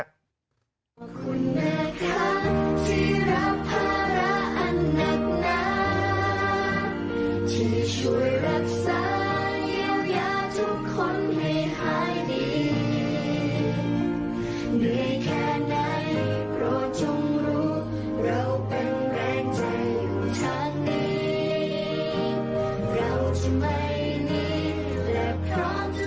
ดูคลิปนี้เคยกลับใช้ล๑หาบทโลกเฮอะเหรอ